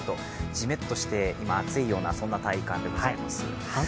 じめっとして、今暑いような体感でございます。